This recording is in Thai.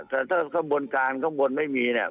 แต่ถ้ากระบวนการข้างบนไม่มีเนี่ย